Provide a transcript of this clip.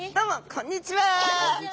こんにちは。